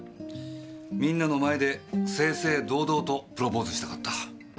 みんなの前で正々堂々とプロポーズしたかった。